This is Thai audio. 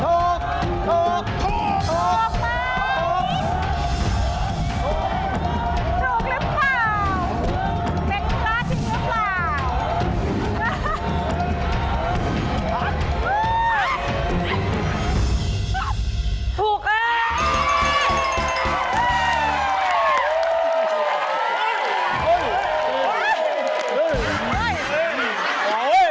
เป็นคำตอบที่นึกหรือเปล่า